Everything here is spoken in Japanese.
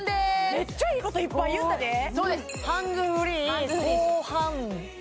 めっちゃいいこといっぱい言うたでスゴい